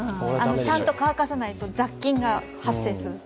ちゃんと乾かさないと雑菌が発生するって。